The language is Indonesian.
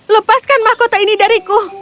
lepaskan mahkota ini dariku